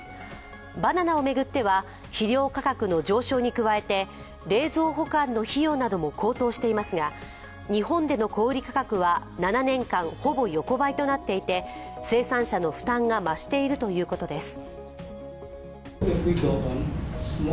バナナを巡っては、肥料価格の上昇に加えて冷蔵保管の費用なども高騰していますが、日本での小売価格は７年間ほぼ横ばいとなっていて、生産者の負担が増しているということです。